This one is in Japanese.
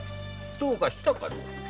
どうかしたかね？